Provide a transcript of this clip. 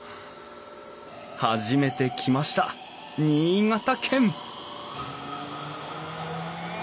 初めて来ました新潟県！